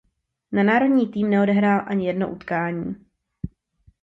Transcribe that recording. Za národní tým neodehrál ani jedno utkání.